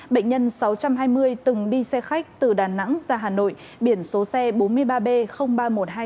bệnh nhân sáu trăm hai mươi từng đi xe khách từ đà nẵng ra hà nội biển số xe bốn mươi ba b ba nghìn một trăm hai mươi